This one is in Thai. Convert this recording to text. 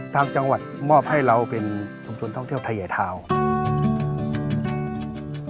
ทางจังหวัดมอบให้เราเป็นชุมชนท่องเที่ยวไทยใหญ่ทาวน์